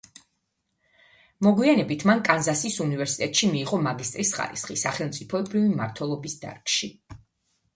მოგვიანებით მან კანზასის უნივერსიტეტში მიიღო მაგისტრის ხარისხი სახელმწიფოებრივი მმართველობის დარგში.